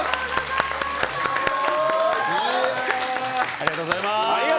ありがとうございます！